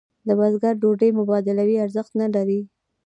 د بزګر ډوډۍ مبادلوي ارزښت نه لري.